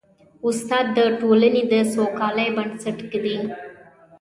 استاد د ټولنې د سوکالۍ بنسټ ږدي.